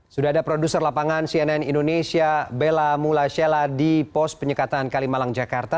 sudah ada produser lapangan cnn indonesia bella mulasela di pos penyekatan kalimalang jakarta